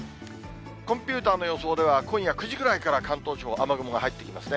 コンピューターの予想では、今夜９時ぐらいから関東地方、雨雲が入ってきますね。